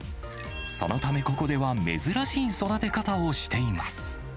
そのため、ここでは珍しい育て方をしています。